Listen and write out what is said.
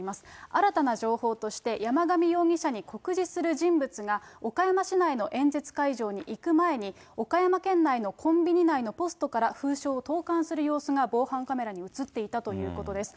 新たな情報として、山上容疑者に酷似する人物が岡山市内の演説会場に行く前に、岡山県内のコンビニ内のポストから封書を投かんする様子が防犯カメラに写っていたということです。